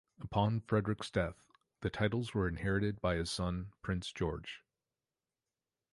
Upon Frederick's death, the titles were inherited by his son Prince George.